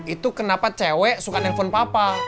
itu kenapa cewek suka nelfon papa